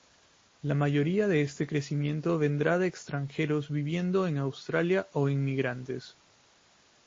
La mayoría de ese crecimiento vendrá de extranjeros viviendo en Austria o inmigrantes.